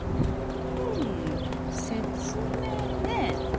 うん説明ね。